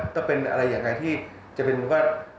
ก็เป็นอะไรยังไงที่จะไปดูว่า